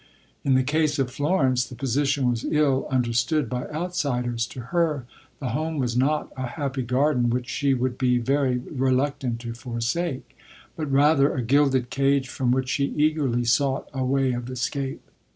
" In the case of Florence, the position was ill understood by outsiders. To her the home was not a happy garden which she would be very reluctant to forsake, but rather a gilded cage from which she eagerly sought a way of escape.